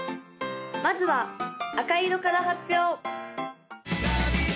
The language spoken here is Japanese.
・まずは赤色から発表！